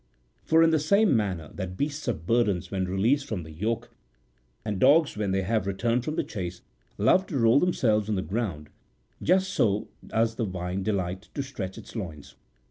For in the same manner that beasts of burden when released from the yoke, and dogs when they have returned from the chase, love to roll themselves on the ground, just so does the vine delight to stretch its loins.